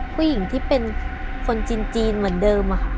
ผู้หญิงที่เป็นคนจีนเหมือนเดิมค่ะ